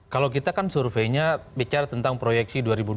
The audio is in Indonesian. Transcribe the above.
kalau kita kan surveinya bicara tentang proyeksi dua ribu dua puluh